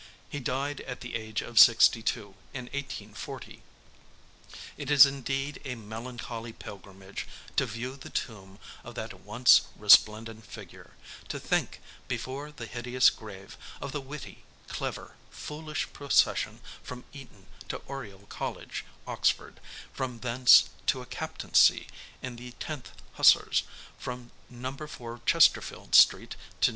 He died, at the age of sixty two, in 1840. It is indeed a melancholy pilgrimage to view the tomb of that once resplendent figure, to think, before the hideous grave, of the witty, clever, foolish procession from Eton to Oriel College, Oxford; from thence to a captaincy in the 10th Hussars, from No. 4 Chesterfield Street to No.